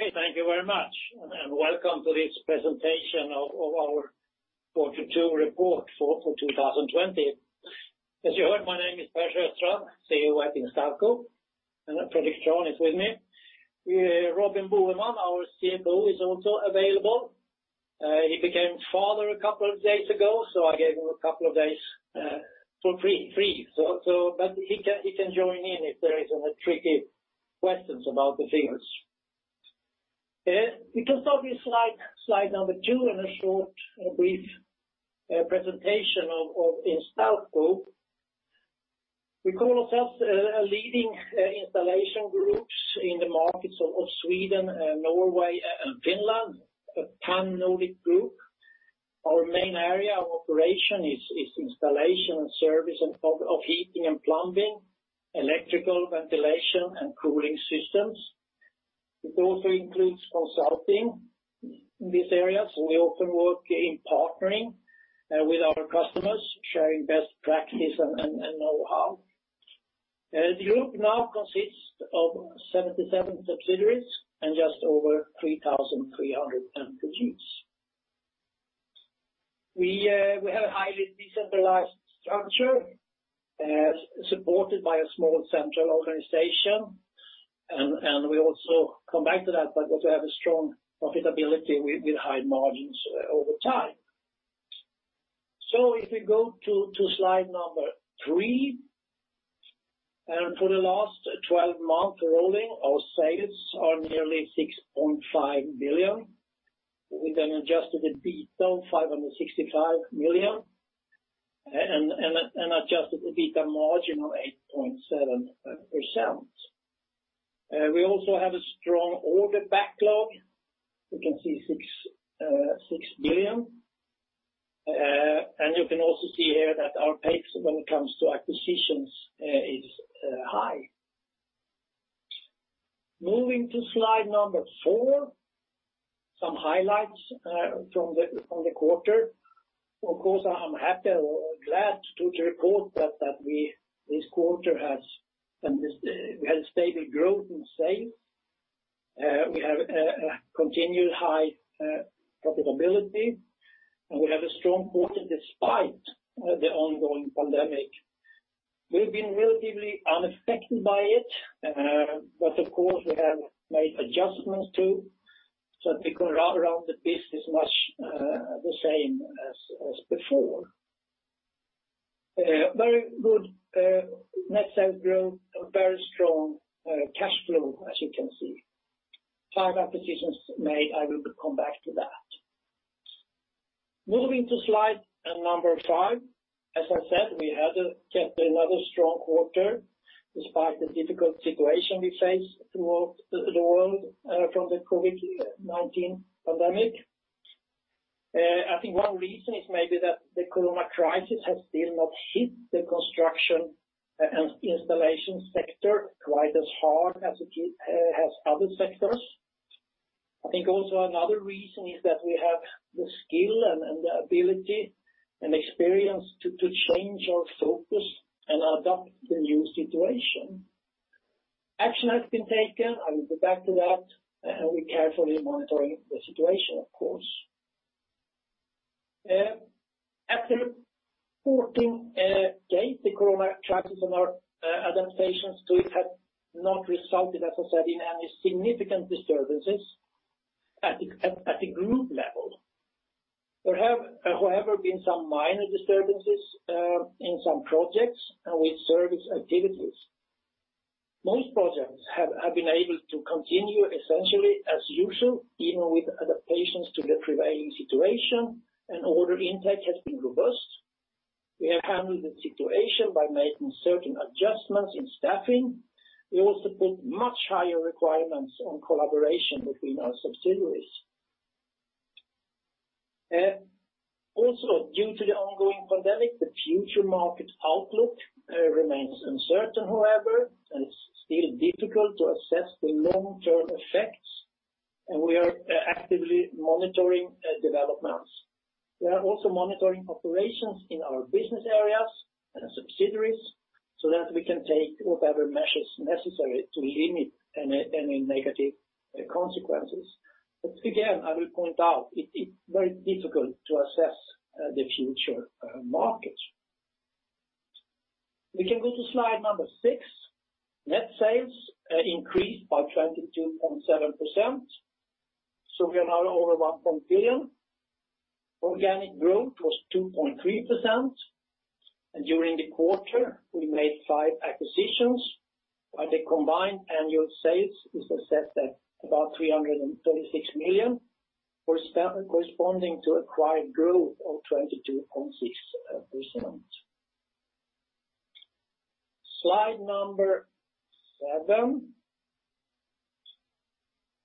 Hey, thank you very much, welcome to this presentation of our quarter two report for 2020. As you heard, my name is Per Sjöstrand, CEO at Instalco, and Fredrik Trahn is with me. Robin Boheman, our CFO, is also available. He became a father a couple of days ago, so I gave him a couple of days for free. He can join in if there is any tricky questions about the figures. We can start with slide number two in a short, brief presentation of Instalco. We call ourselves a leading installation group in the markets of Sweden, Norway, and Finland, a pan-Nordic group. Our main area of operation is installation and service of heating and plumbing, electrical ventilation, and cooling systems. It also includes consulting in these areas. We often work in partnering with our customers, sharing best practice and know-how. The group now consists of 77 subsidiaries and just over 3,300 employees. We have a highly decentralized structure supported by a small central organization, and we also come back to that, but we have a strong profitability with high margins over time. If we go to slide number three. For the last 12 months rolling, our sales are nearly 6.5 billion, with an adjusted EBITDA of 565 million and adjusted EBITDA margin of 8.7%. We also have a strong order backlog. You can see 6 billion. You can also see here that our pace when it comes to acquisitions is high. Moving to slide number four, some highlights from the quarter. Of course, I'm happy or glad to report that this quarter we had a stable growth in sales. We have a continued high profitability, and we have a strong quarter despite the ongoing pandemic. We've been relatively unaffected by it, of course, we have made adjustments to sort of go around the business much the same as before. Very good net sales growth and very strong cash flow, as you can see. five acquisitions made, I will come back to that. Moving to slide number five. As I said, we had yet another strong quarter despite the difficult situation we face throughout the world from the COVID-19 pandemic. I think one reason is maybe that the corona crisis has still not hit the construction and installation sector quite as hard as other sectors. I think also another reason is that we have the skill and the ability and experience to change our focus and adapt to the new situation. Action has been taken. I will go back to that, and we're carefully monitoring the situation, of course. After 14 days, the corona crisis and our adaptations to it have not resulted, as I said, in any significant disturbances at the group level. There have, however, been some minor disturbances in some projects and with service activities. Most projects have been able to continue essentially as usual, even with adaptations to the prevailing situation, and order intake has been robust. We have handled the situation by making certain adjustments in staffing. We also put much higher requirements on collaboration between our subsidiaries. Due to the ongoing pandemic, the future market outlook remains uncertain, however, and it's still difficult to assess the long-term effects, and we are actively monitoring developments. We are also monitoring operations in our business areas and subsidiaries so that we can take whatever measures necessary to limit any negative consequences. Again, I will point out it's very difficult to assess the future markets. We can go to slide number six. Net sales increased by 22.7%, so we are now over 1 billion. Organic growth was 2.3%. During the quarter, we made five acquisitions, where the combined annual sales is assessed at about 336 million, corresponding to acquired growth of 22.6%. Slide number seven.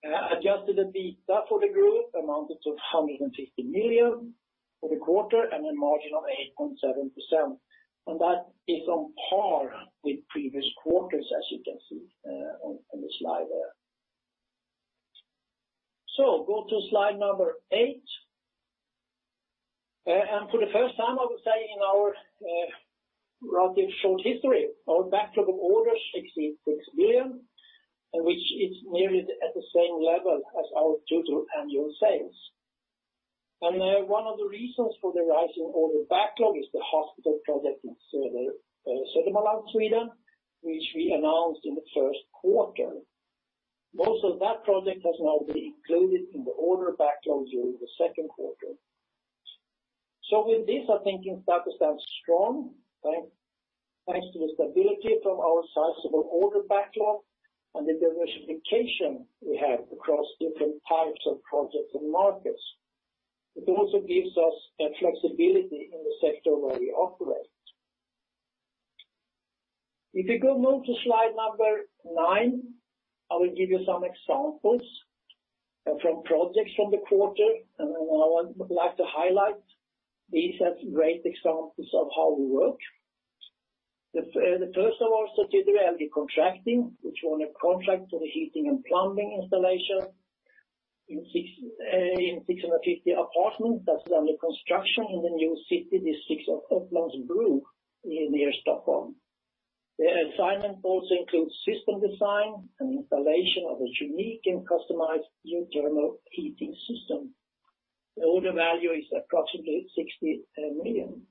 Adjusted EBITDA for the group amounted to 150 million for the quarter and a margin of 8.7%. That is on par with previous quarters, as you can see on the slide there. So go to slide number eight. For the first time, I would say, in our relatively short history, our backlog of orders exceed 6 billion, which is nearly at the same level as our total annual sales. One of the reasons for the rise in order backlog is the hospital project in Södermalm, Sweden, which we announced in the first quarter. Most of that project has now been included in the order backlog during the second quarter. With this, I think Instalco stands strong, thanks to the stability from our sizable order backlog and the diversification we have across different types of projects and markets. It also gives us a flexibility in the sector where we operate. If you could move to slide number nine, I will give you some examples from projects from the quarter, and I would like to highlight these as great examples of how we work. The first of all such is the RM Contracting, which won a contract for the heating and plumbing installation in 650 apartments that's under construction in the new city district of Upplands Bro near Stockholm. The assignment also includes system design and installation of a unique and customized geothermal heating system. The order value is approximately 60 million.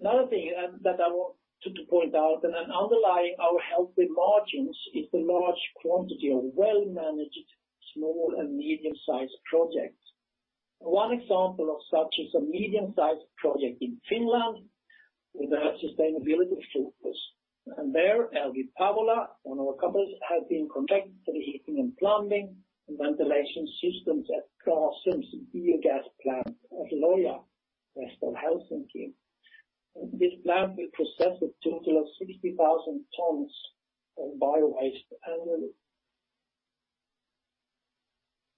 Another thing that I want to point out, and underlying our healthy margins, is the large quantity of well-managed small and medium-sized projects. One example of such is a medium-sized project in Finland with a sustainability focus. There, LVI-Paavola, one of our companies, has been contracted for the heating and plumbing and ventilation systems at Gasum's biogas plant at Lohja, west of Helsinki. This plant will process a total of 60,000 tons of bio-waste annually.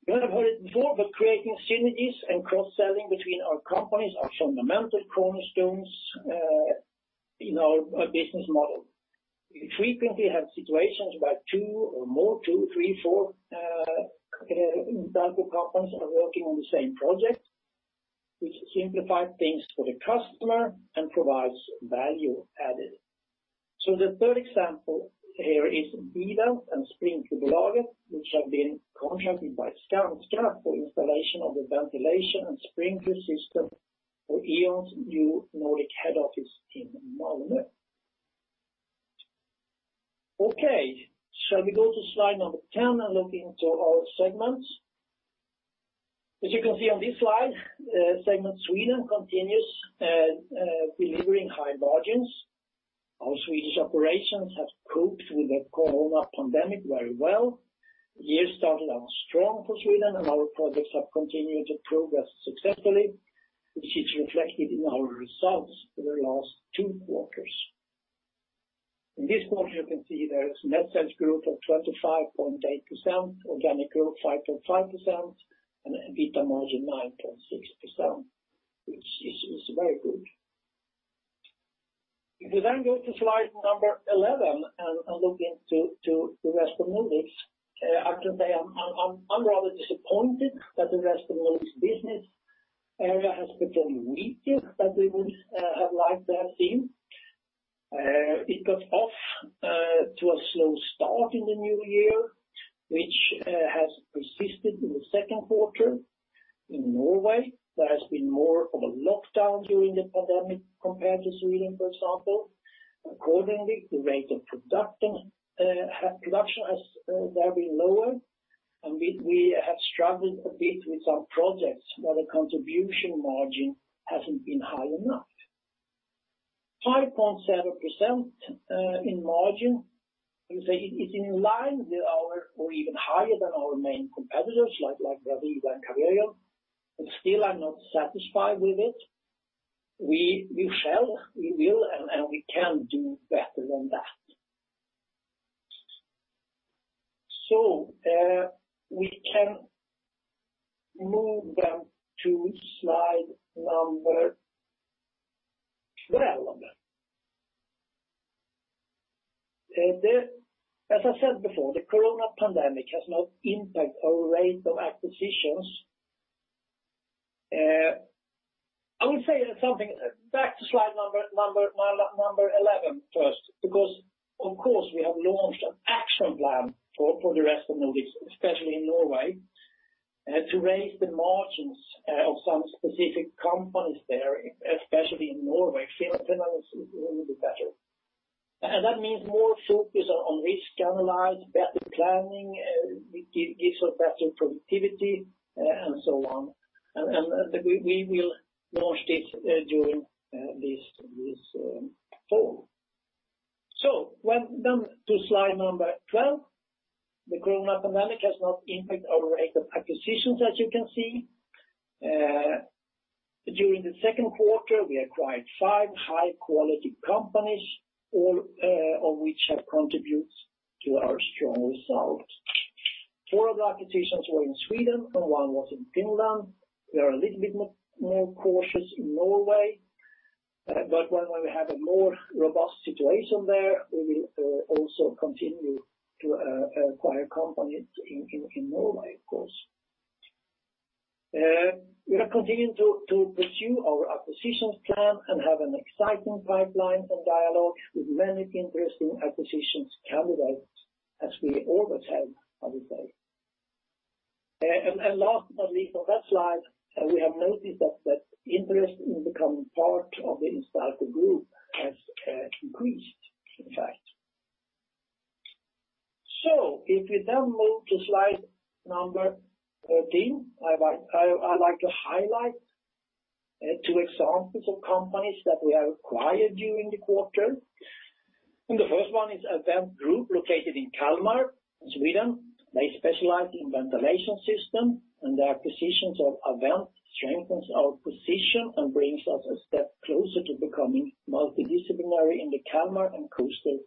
You might have heard it before, but creating synergies and cross-selling between our companies are fundamental cornerstones in our business model. We frequently have situations where two or more, two, three, four Instalco companies are working on the same project, which simplifies things for the customer and provides value added. The third example here is Bida and Sprinklerbolaget, which have been contracted by Skanska for installation of the ventilation and sprinkler system for E.ON's new Nordic head office in Malmö. Shall we go to slide number 10 and look into our segments? As you can see on this slide, segment Sweden continues delivering high margins. Our Swedish operations have coped with the COVID pandemic very well. The year started out strong for Sweden, and our projects have continued to progress successfully, which is reflected in our results for the last two quarters. In this quarter, you can see there is net sales growth of 25.8%, organic growth 5.5%, and EBITDA margin 9.6%, which is very good. If you then go to slide number 11 and look into the Rest of Nordics, I can say I'm rather disappointed that the Rest of Nordics business area has been weaker than we would have liked to have seen. It got off to a slow start in the new year, which has persisted in the second quarter. In Norway, there has been more of a lockdown during the pandemic compared to Sweden, for example. Accordingly, the rate of production has been lower, and we have struggled a bit with some projects where the contribution margin hasn't been high enough. 5.7% in margin is in line with our, or even higher than our main competitors like Bravida and Caverion, but still I'm not satisfied with it. We shall, we will, and we can do better than that. We can move then to slide number 12. As I said before, the COVID-19 pandemic has not impacted our rate of acquisitions. Back to slide 11 first, because of course, we have launched an action plan for the Rest of Nordics, especially in Norway, to raise the margins of some specific companies there, especially in Norway. Finland is a little bit better. That means more focus on risk analysis, better planning, gives us better productivity, and so on. We will launch this during this fall. To slide 12. The COVID-19 pandemic has not impacted our rate of acquisitions, as you can see. During the second quarter, we acquired five high-quality companies, all of which have contributed to our strong results. Four of the acquisitions were in Sweden and one was in Finland. We are a little bit more cautious in Norway. When we have a more robust situation there, we will also continue to acquire companies in Norway, of course. We are continuing to pursue our acquisitions plan and have an exciting pipeline and dialogue with many interesting acquisitions candidates as we always have, I would say. Last but least on that slide, we have noticed that interest in becoming part of the Instalco Group has increased, in fact. If you now move to slide number 13, I'd like to highlight two examples of companies that we have acquired during the quarter. The first one is Avent Group located in Kalmar, Sweden. They specialize in ventilation system and the acquisition of Avent strengthens our position and brings us a step closer to becoming multidisciplinary in the Kalmar and coastal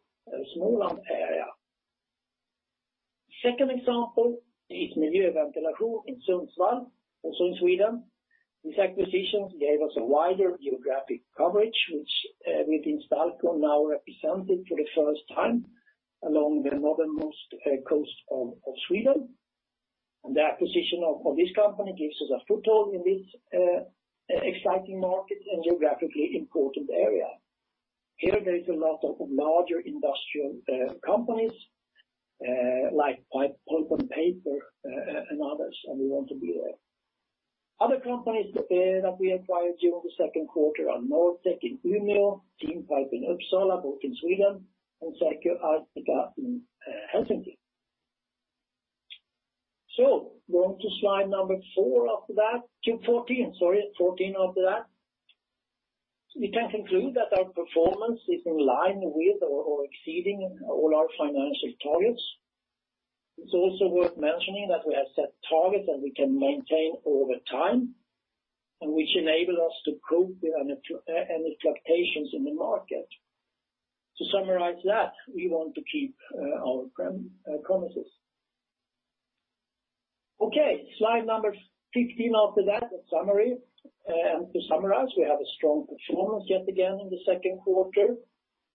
Småland area. Second example is Miljöventilation i Mellannorrland AB, also in Sweden. This acquisition gave us a wider geographic coverage, which with Instalco now represented for the first time along the northernmost coast of Sweden. The acquisition of this company gives us a foothold in this exciting market and geographically important area. Here there is a lot of larger industrial companies, like pulp and paper, and others, and we want to be there. Other companies that we acquired during the second quarter are Norrtech VVS och Industri AB in Umeå, TeamPipe Sweden AB in Uppsala, both in Sweden, and Sähkö-Arktia Oy in Helsinki. Go on to slide number 14 after that. We can conclude that our performance is in line with or exceeding all our financial targets. It's also worth mentioning that we have set targets that we can maintain over time and which enable us to cope with any fluctuations in the market. To summarize that, we want to keep our promises. Okay. Slide number 15 after that, the summary. To summarize, we have a strong performance yet again in the second quarter,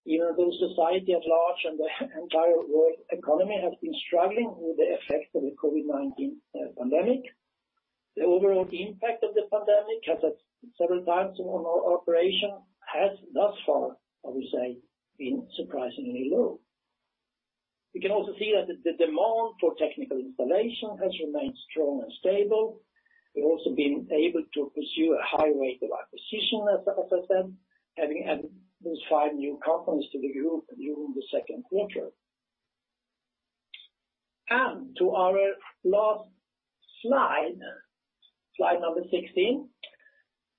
even though society at large and the entire world economy has been struggling with the effect of the COVID-19 pandemic. The overall impact of the pandemic, as at several times in our operation, has thus far, I would say, been surprisingly low. We can also see that the demand for technical installation has remained strong and stable. We've also been able to pursue a high rate of acquisition, as I said, having added those five new companies to the group during the second quarter. To our last slide number 16.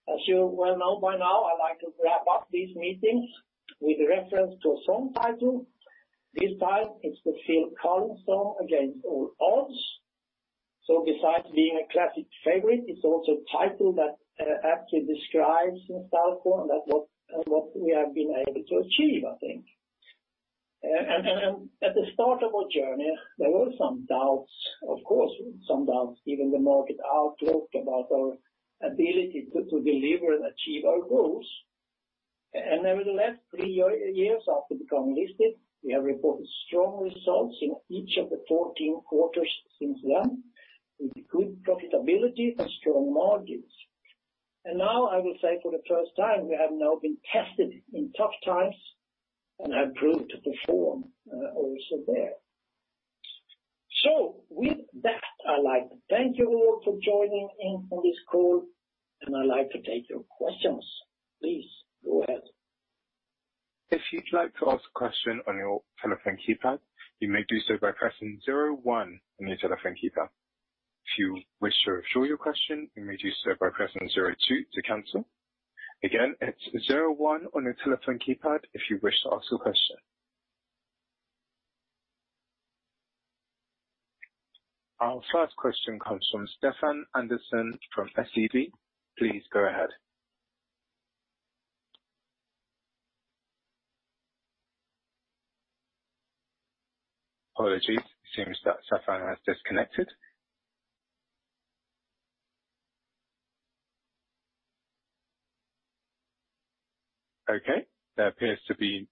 As you well know by now, I like to wrap up these meetings with reference to a song title. This time it's the Phil Collins song, "Against All Odds." Besides being a classic favorite, it's also a title that actually describes Instalco and what we have been able to achieve, I think. At the start of our journey, there were some doubts, of course, some doubts given the market outlook about our ability to deliver and achieve our goals. Nevertheless, three years after becoming listed, we have reported strong results in each of the 14 quarters since then, with good profitability and strong margins. Now I will say for the first time, we have now been tested in tough times and have proved to perform, also there. With that, I'd like to thank you all for joining in on this call, and I'd like to take your questions. Please go ahead. Our first question comes from Stefan Andersson from SEB. Please go ahead. Apologies. It seems that Stefan has disconnected. There appears to be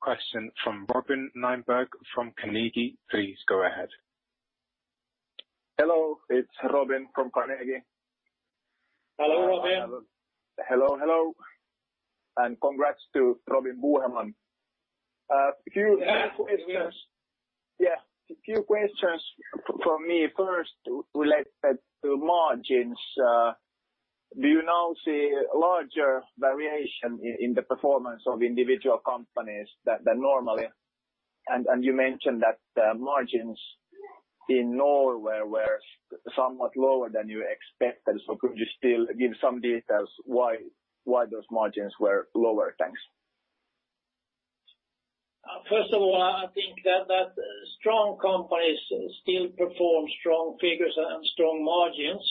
a question from Robin Nyberg from Carnegie. Please go ahead. Hello. It's Robin from Carnegie. Hello, Robin. Hello, hello. Congrats to Robin Boheman. A few questions. Yeah, a few questions from me first related to margins. Do you now see a larger variation in the performance of individual companies than normal? You mentioned that the margins in Norway were somewhat lower than you expected. Could you still give some details why those margins were lower? Thanks. First of all, I think that strong companies still perform strong figures and strong margins.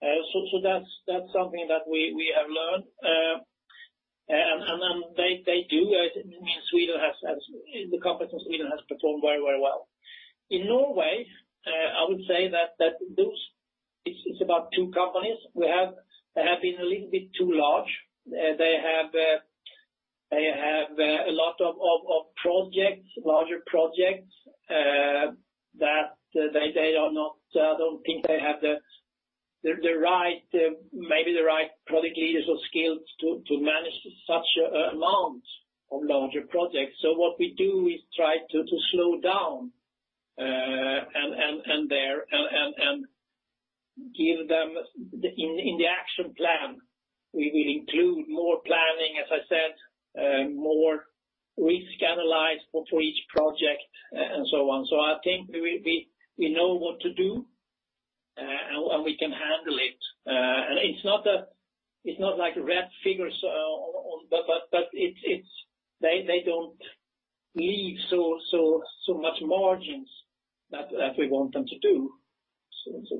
That's something that we have learned. They do. The competence in Sweden has performed very well. In Norway, I would say that it's about two companies that have been a little bit too large. They have a lot of larger projects that I don't think they have maybe the right project leaders or skills to manage such amounts of larger projects. What we do is try to slow down and in the action plan, we will include more planning, as I said, more risk-analyzed for each project and so on. I think we know what to do, and we can handle it. It's not like red figures, they don't leave so much margins that we want them to do.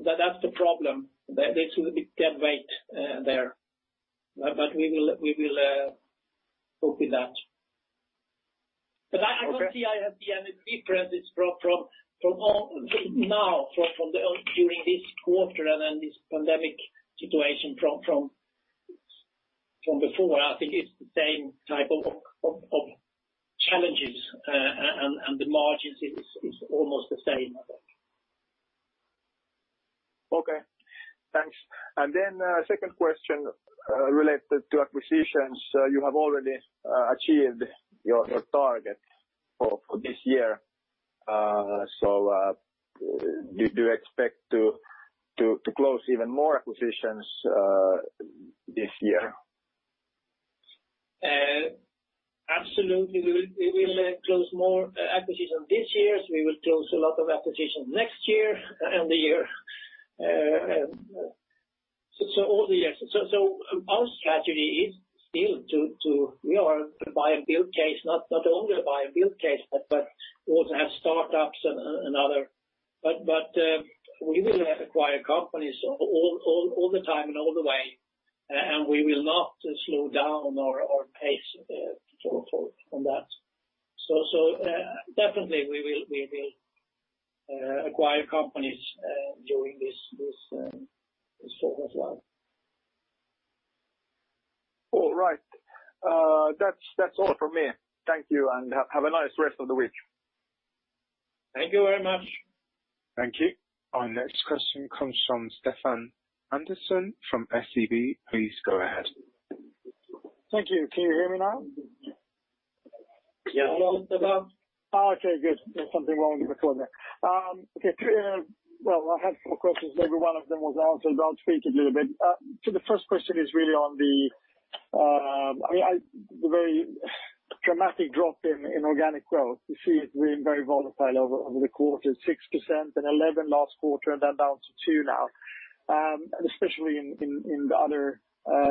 That's the problem. They should get weight there. We will cope with that. Okay. I don't see I have any difference from now, during this quarter and this pandemic situation from before. I think it's the same type of challenges, and the margins is almost the same. Okay, thanks. Second question, related to acquisitions. You have already achieved your target for this year. Do you expect to close even more acquisitions this year? Absolutely. We will close more acquisitions this year. We will close a lot of acquisitions next year and the year. Our strategy is still to be our buy and build case, not only a buy and build case, but also have startups and other. We will acquire companies all the time and all the way, and we will not slow down our pace from that. Definitely we will acquire companies during this storm as well. All right. That's all from me. Thank you, and have a nice rest of the week. Thank you very much. Thank you. Our next question comes from Stefan Andersson from SEB. Please go ahead. Thank you. Can you hear me now? Yeah, hello, Stefan. Good. There was something wrong with the connection. I had four questions. Maybe one of them was answered. I'll treat it a little bit. The first question is really on the very dramatic drop in organic growth. You see it's been very volatile over the quarter, 6% and 11% last quarter, and then down to 2% now, especially in the other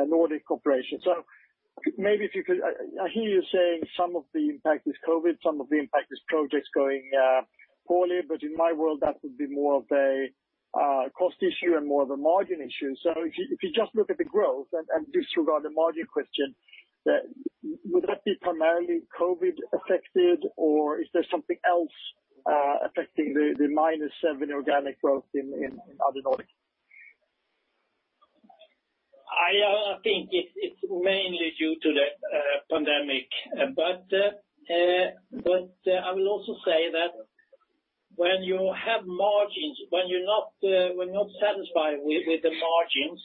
Nordic corporations. Maybe if you could, I hear you saying some of the impact is COVID-19, some of the impact is projects going poorly, but in my world, that would be more of a cost issue and more of a margin issue. If you just look at the growth and disregard the margin question, would that be primarily COVID-19 affected, or is there something else affecting the minus 7% organic growth in other Nordics? I think it's mainly due to the pandemic. I will also say that when you have margins, when you're not satisfied with the margins,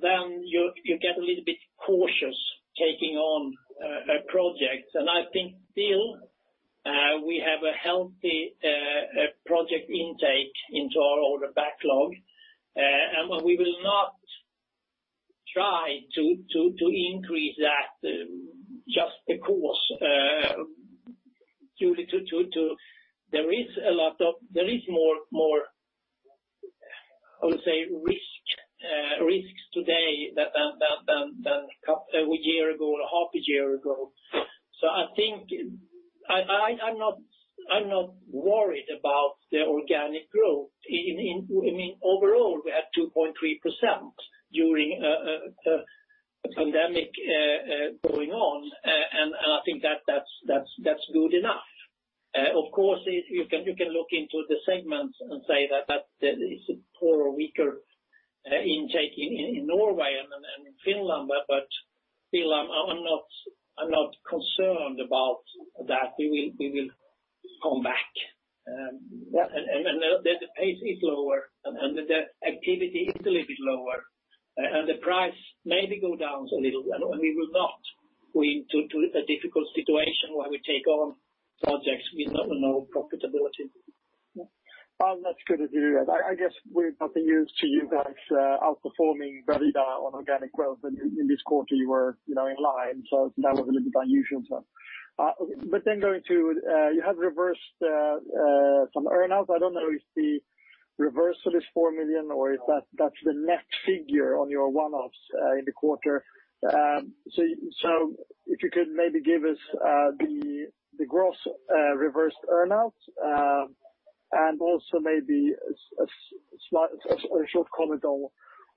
then you get a little bit cautious taking on projects. I think still we have a healthy project intake into our order backlog. We will not try to increase that just because there is more, how to say, risks today than a year ago or half a year ago. I'm not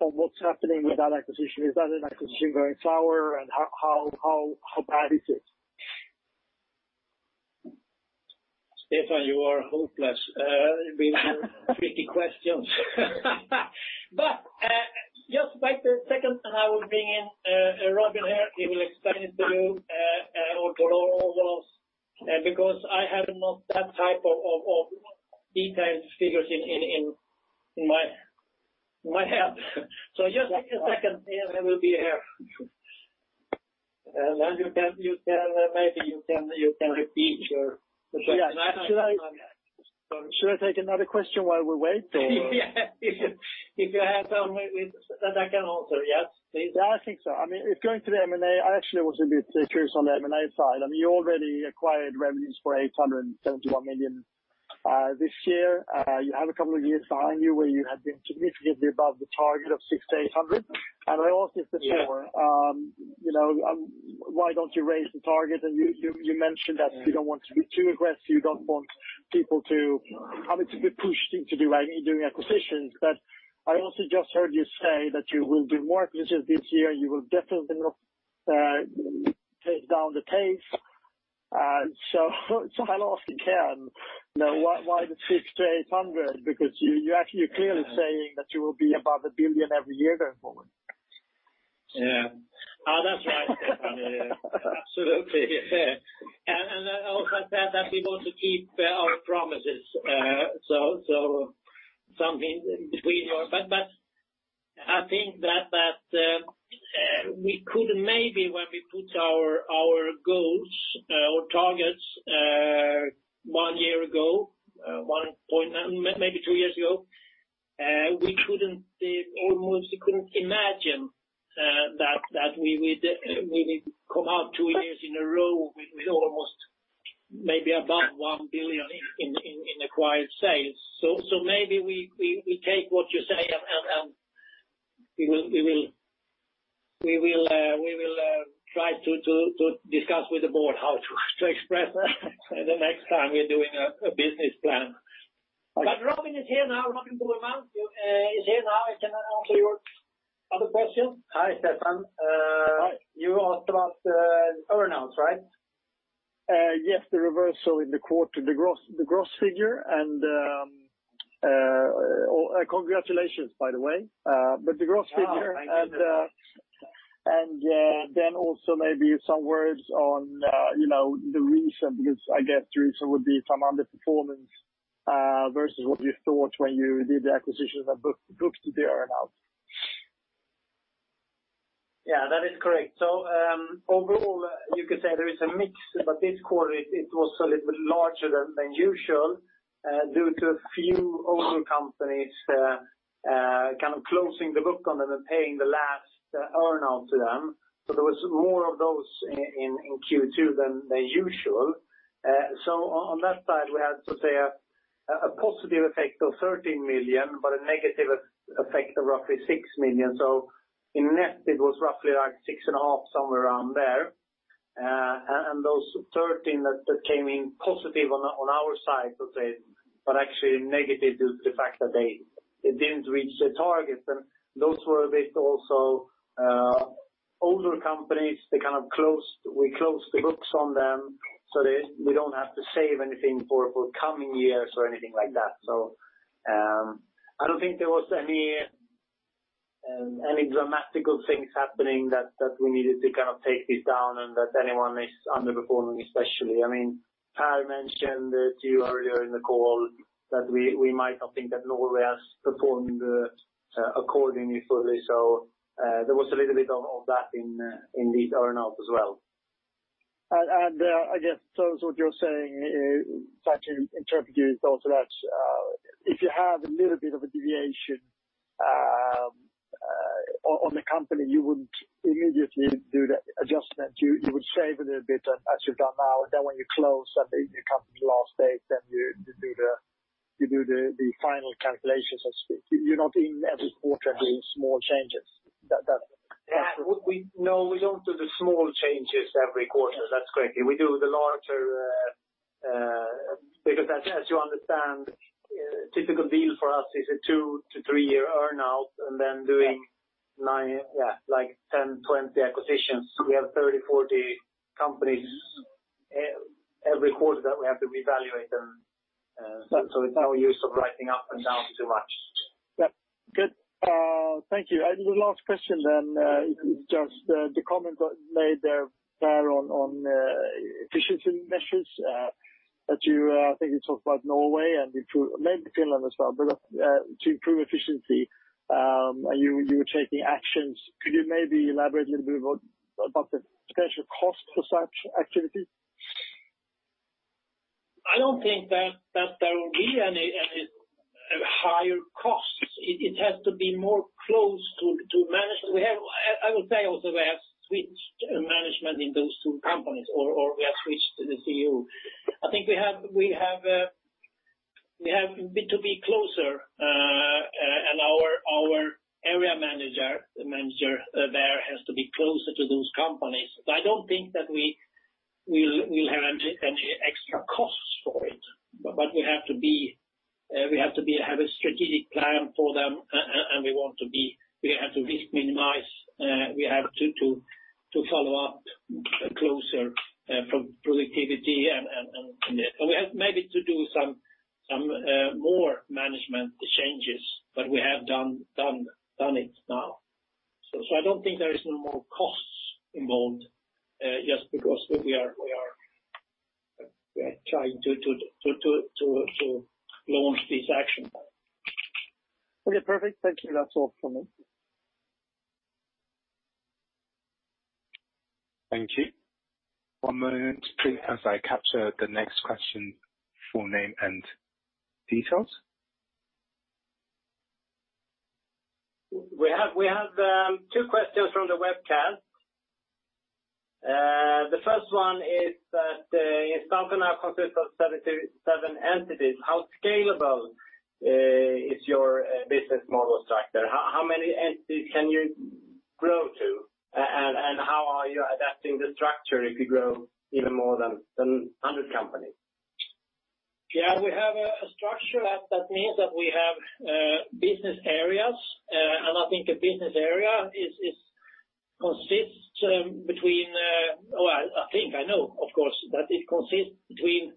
what's happening with that acquisition. Is that an acquisition going sour, and how bad is it? Stefan, you are hopeless with your tricky questions. Just wait a second, and I will bring in Robin here. He will explain it to you or to all of us, because I have not that type of detailed figures in my head. Just take a second, and he will be here. Then maybe you can repeat your question. Should I take another question while we wait or? Yeah. If you have some that I can answer, yes, please. Yeah, I think so. Going to the M&A, I actually was a bit curious on the M&A side. You already acquired revenues for 871 million this year. You have a couple of years behind you where you have been significantly above the target of 600 million-800 million. I also said to you. Why don't you raise the target? You mentioned that you don't want to be too aggressive. You don't want to be pushed into doing acquisitions. I also just heard you say that you will do more acquisitions this year. You will definitely not take down the pace. I lost again. Why the 600-800? You're clearly saying that you will be above 1 billion every year going forward. That's right, Stefan. Absolutely. Also said that we want to keep our promises. Something between. I think that we could maybe, when we put our goals or targets one year ago, one, maybe two years ago, we almost couldn't imagine that we would maybe come out two years in a row with almost maybe above 1 billion in acquired sales. Maybe we take what you say, and we will try to discuss with the board how to express that the next time we're doing a business plan. Robin is here now. He can answer your other question. Hi, Stefan. You asked about earnouts, right? Yes, the reversal in the quarter, the gross figure and congratulations, by the way. The gross figure, also maybe some words on the reason, because I guess the reason would be some underperformance versus what you thought when you did the acquisition that booked the earnouts. Yeah, that is correct. Overall, you could say there is a mix, but this quarter it was a little larger than usual due to a few older companies kind of closing the book on them and paying the last earnouts to them. There was more of those in Q2 than usual. On that side, we had, let's say, a positive effect of 13 million, but a negative effect of roughly 6 million. In net, it was roughly like 6.5 million, somewhere around there. Those 13 million that came in positive on our side, let's say, but actually negative due to the fact that they didn't reach the target. Those were a bit also older companies. We closed the books on them, so we don't have to save anything for coming years or anything like that. I don't think there was any dramatic things happening that we needed to take this down and that anyone is underperforming especially. I mentioned it to you earlier in the call that we might not think that Norway has performed accordingly fully. There was a little bit of that in these earnouts as well. I guess what you're saying, if I can interpret you, is also that if you have a little bit of a deviation on the company, you wouldn't immediately do the adjustment. You would save a little bit, as you've done now, and then when you close the company's last date, then you do the final calculations. You're not in every quarter doing small changes. We don't do the small changes every quarter. That's correct. We do the larger, because as you understand, a typical deal for us is a two to three year earnout, and then doing like 10, 20 acquisitions. We have 30, 40 companies every quarter that we have to reevaluate them. It's no use of writing up and down too much. Yep. Good. Thank you. The last question, it's just the comment made there on efficiency measures that you, I think you talked about Norway and maybe Finland as well. To improve efficiency, you were taking actions. Could you maybe elaborate a little bit about the potential cost for such activities? I don't think that there will be any higher costs. It has to be more close to management. I would say also we have switched management in those two companies, or we have switched the CEO. I think we have to be closer. Manager there has to be closer to those companies. I don't think that we'll have any extra costs for it. We have to have a strategic plan for them, and we have to risk minimize. We have to follow up closer from productivity, and we have maybe to do some more management changes, but we have done it now. I don't think there is no more costs involved, just because we are trying to launch this action. Okay, perfect. Thank you. That's all from me. Thank you. One moment please, as I capture the next question, full name and details. We have two questions from the webcast. The first one is that Instalco now consists of 77 entities. How scalable is your business model structure? How many entities can you grow to, and how are you adapting the structure if you grow even more than 100 companies? Yeah, we have a structure that means that we have business areas, and I think a business area consists between Well, I think I know, of course, that it consists between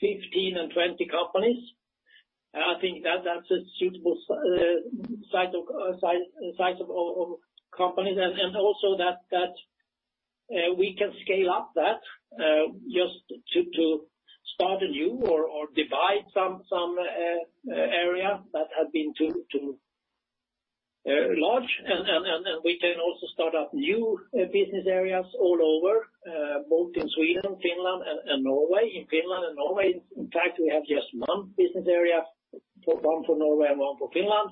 15 and 20 companies, and I think that's a suitable size of companies and also that we can scale up that, just to start anew or divide some area that has been too large. We can also start up new business areas all over, both in Sweden, Finland, and Norway. In Finland and Norway, in fact, we have just one business area, one for Norway and one for Finland.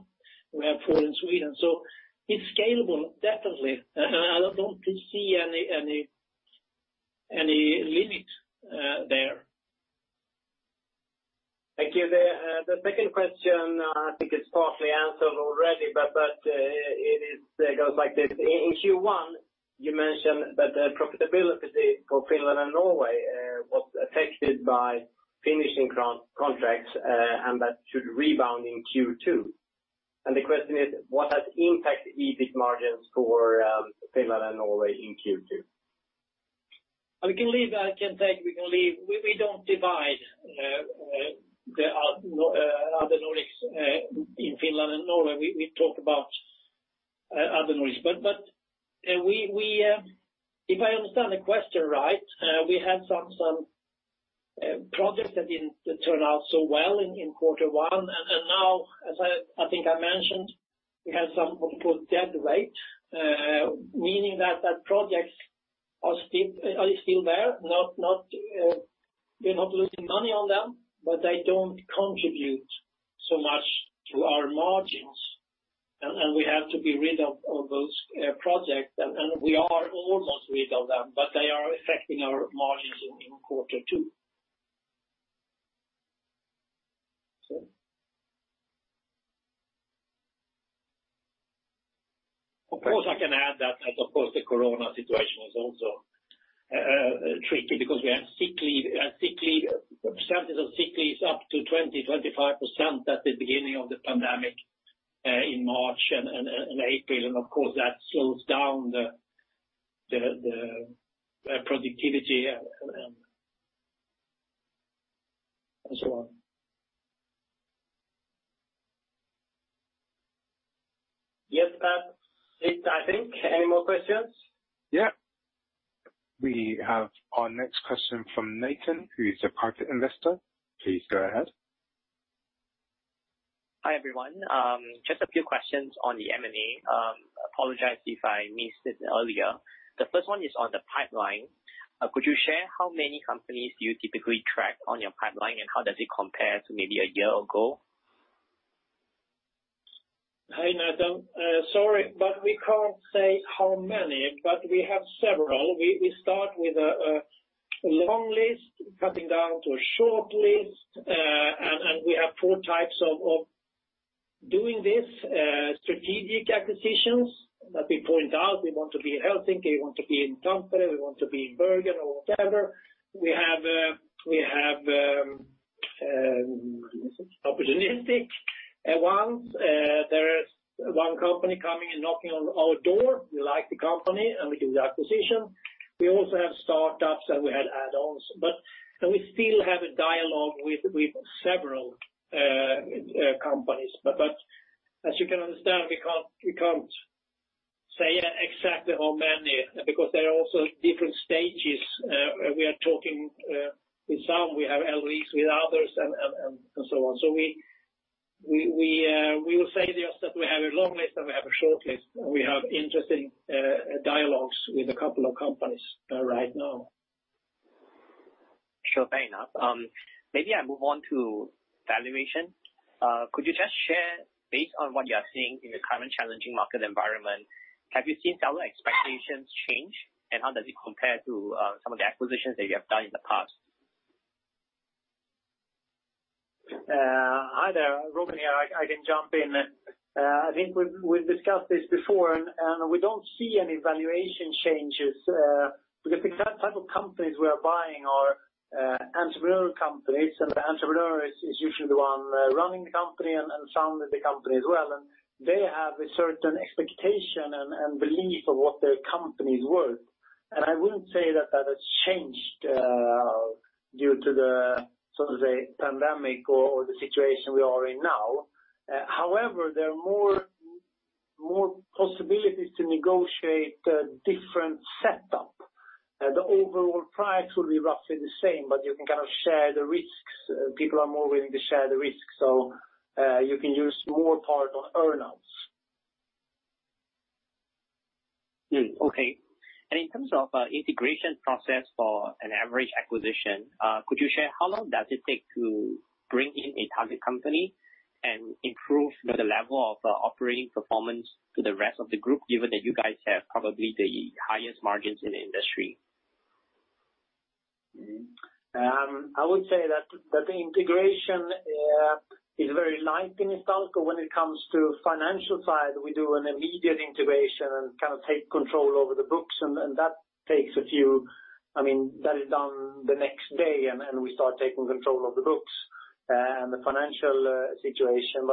We have four in Sweden. It's scalable, definitely. I don't see any limit there. Thank you. The second question, I think it's partly answered already, but it goes like this. In Q1, you mentioned that profitability for Finland and Norway was affected by finishing contracts, and that should rebound in Q2. The question is, what has impacted EBIT margins for Finland and Norway in Q2? I can take. We don't divide the other Nordics in Finland and Norway. We talk about other Nordics. If I understand the question right, we had some projects that didn't turn out so well in quarter one, and now, as I think I mentioned, we have some dead weight, meaning that projects are still there, we're not losing money on them, but they don't contribute so much to our margins. We have to be rid of those projects, and we are almost rid of them, but they are affecting our margins in quarter two. Of course, I can add that, of course, the COVID-19 situation was also tricky because we have sickness up to 20%, 25% at the beginning of the pandemic in March and April, and of course, that slows down the productivity, and so on. Yes. That's it, I think. Any more questions? Yeah. We have our next question from Nathan, who is a private investor. Please go ahead. Hi, everyone. Just a few questions on the M&A. Apologize if I missed it earlier. The first one is on the pipeline. Could you share how many companies do you typically track on your pipeline, and how does it compare to maybe a year ago? Hi, Nathan. Sorry, but we can't say how many, but we have several. We start with a long list cutting down to a short list. We have four types of doing this, strategic acquisitions that we point out. We want to be in Helsinki, we want to be in Tampere, we want to be in Bergen or whatever. We have opportunistic ones. There is one company coming and knocking on our door. We like the company, and we do the acquisition. We also have startups, and we had add-ons. We still have a dialogue with several companies. As you can understand, we can't say exactly how many, because they're also different stages. We are talking with some, we have LOIs with others and so on. We will say just that we have a long list and we have a short list, and we have interesting dialogues with a couple of companies right now. Sure thing. Maybe I move on to valuation. Could you just share, based on what you are seeing in the current challenging market environment, have you seen seller expectations change, and how does it compare to some of the acquisitions that you have done in the past? Hi there, Robin here. I can jump in. I think we've discussed this before. We don't see any valuation changes because the type of companies we are buying are entrepreneurial companies, and the entrepreneur is usually the one running the company and founded the company as well. They have a certain expectation and belief of what their company is worth. I wouldn't say that has changed due to the, so to say, pandemic or the situation we are in now. However, there are more possibilities to negotiate a different setup. The overall price will be roughly the same, but you can share the risks. People are more willing to share the risks. You can use more part of earnouts. Okay. In terms of integration process for an average acquisition, could you share how long does it take to bring in a target company and improve the level of operating performance to the rest of the group, given that you guys have probably the highest margins in the industry? I would say that the integration is very light in Instalco. When it comes to financial side, we do an immediate integration and take control over the books, and that is done the next day, and we start taking control of the books and the financial situation.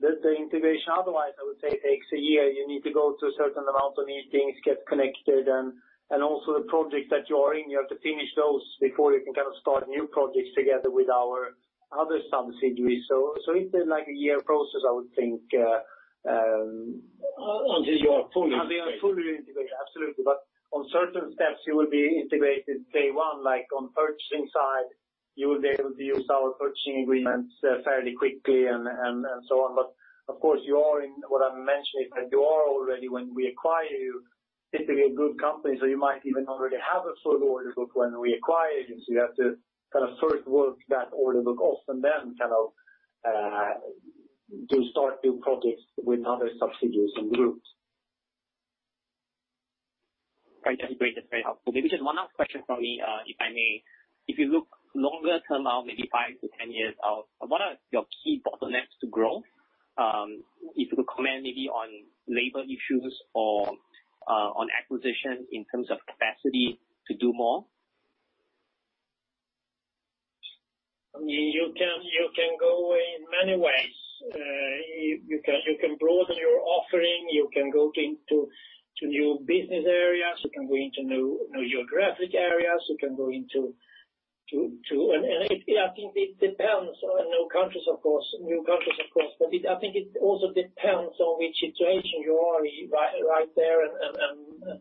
The integration, otherwise, I would say, takes a year. You need to go through a certain amount of meetings, get connected, and also the projects that you are in, you have to finish those before you can start new projects together with our other subsidiaries. It's a year process, I would think, until you are fully integrated, absolutely. On certain steps, you will be integrated day one, like on purchasing side, you will be able to use our purchasing agreements fairly quickly and so on. Of course, what I mentioned is that you are already, when we acquire you, typically a good company, so you might even already have a full order book when we acquire you. You have to first work that order book off, and then to start new projects with other subsidiaries in the group. Right. That's great. That's very helpful. Maybe just one last question from me, if I may. If you look longer term out, maybe 5-10 years out, what are your key bottlenecks to growth? If you could comment maybe on labor issues or on acquisition in terms of capacity to do more. You can go in many ways. You can broaden your offering. You can go into new business areas. You can go into new geographic areas. I think it depends on new countries, of course. I think it also depends on which situation you are right there and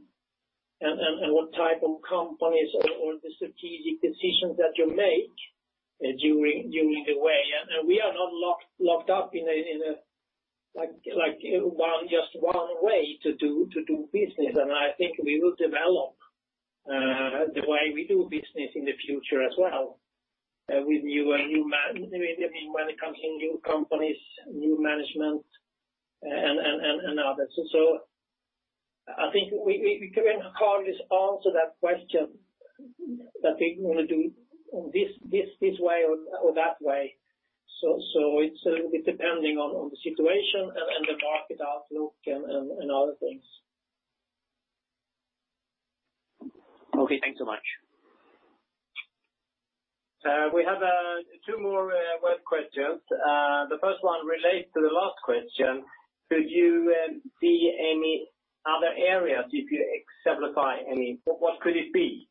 what type of companies or the strategic decisions that you make during the way. We are not locked up in just one way to do business, and I think we will develop the way we do business in the future as well with new management when it comes to new companies, new management, and others. I think we can hardly answer that question, that we want to do this way or that way. It's depending on the situation and the market outlook and other things. Okay, thanks so much. We have two more web questions. The first one relates to the last question. Could you see any other areas if you exemplify any? What could it be?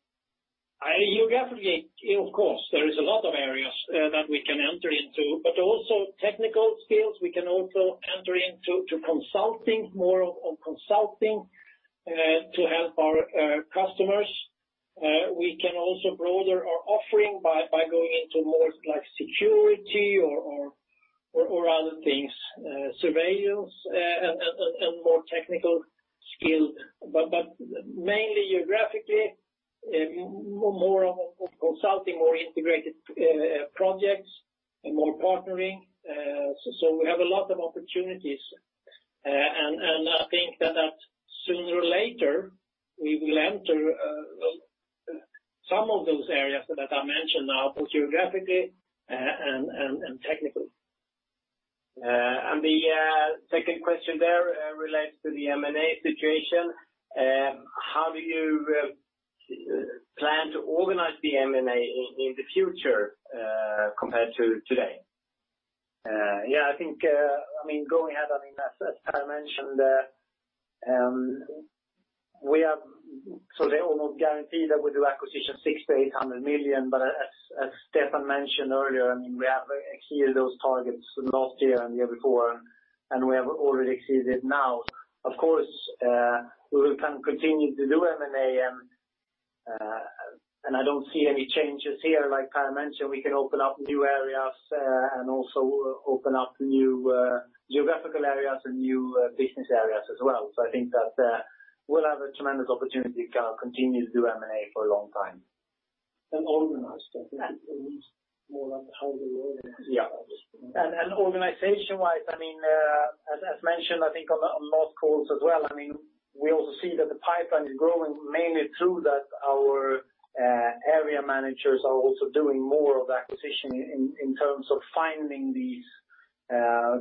Geographically, of course, there is a lot of areas that we can enter into, but also technical skills. We can also enter into consulting, more of consulting to help our customers. We can also broaden our offering by going into more security or other things, surveillance and more technical skill. Mainly geographically, more of consulting or integrated projects and more partnering. We have a lot of opportunities, and I think that sooner or later, we will enter some of those areas that I mentioned now, both geographically and technical. The second question there relates to the M&A situation. How do you plan to organize the M&A in the future compared to today? I think going ahead, as Per mentioned, they almost guarantee that we do acquisition 600 million-800 million. As Stefan mentioned earlier, we have exceeded those targets last year and the year before. We have already exceeded now. Of course, we will continue to do M&A. I don't see any changes here. Like Per mentioned, we can open up new areas and also open up new geographical areas and new business areas as well. I think that we'll have a tremendous opportunity to continue to do M&A for a long time. Organize them. I think it needs more of how we organize. Yeah. Organization-wise, as mentioned, I think on last calls as well, we also see that the pipeline is growing mainly through that our area managers are also doing more of acquisition in terms of finding these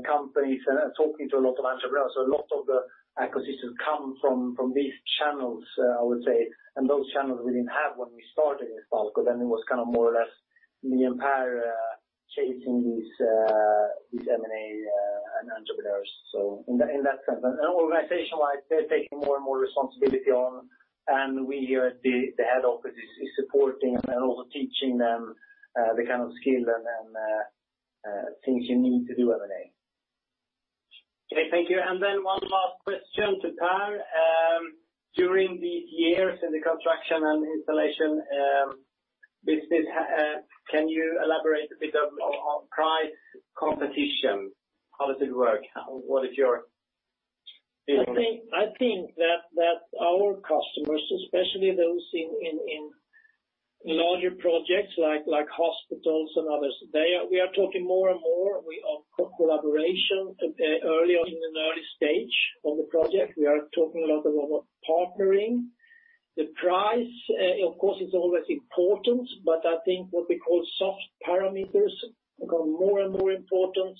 companies and talking to a lot of entrepreneurs. A lot of the acquisitions come from these channels, I would say, and those channels we didn't have when we started Instalco, then it was more or less me and Per chasing these M&A and entrepreneurs. In that sense. Organization-wide, they're taking more and more responsibility on, and we here at the head office is supporting and also teaching them the kind of skill and things you need to do M&A. Okay, thank you. One last question to Per. During these years in the construction and installation business, can you elaborate a bit on price competition? How does it work? What is your view on it? I think that our customers, especially those in larger projects like hospitals and others, we are talking more and more. We are collaborating early on in the early stage of the project. We are talking a lot about partnering. The price, of course, is always important, but I think what we call soft parameters become more and more important,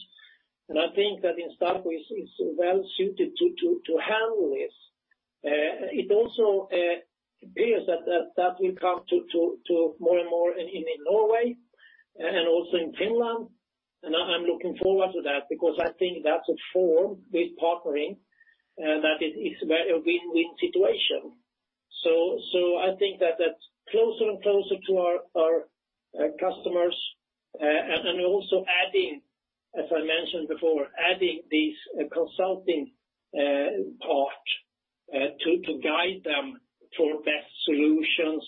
and I think that Instalco is well suited to handle this. It also appears that will come to more and more in Norway and also in Finland, and I'm looking forward to that because I think that's a form with partnering and that it's a win-win situation. I think that closer and closer to our customers, and then also adding, as I mentioned before, adding this consulting part to guide them for best solutions,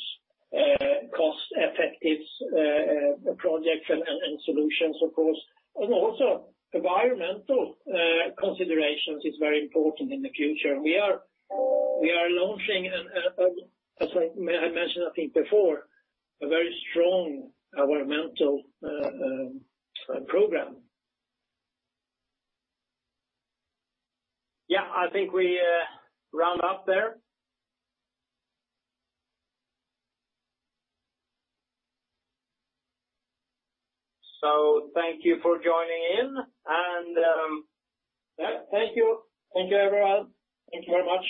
cost-effective projects and solutions of course, and also environmental considerations is very important in the future. We are launching, as I mentioned, I think before, a very strong environmental program. Yeah, I think we round up there. Thank you for joining in. Thank you. Thank you, everyone. Thank you very much.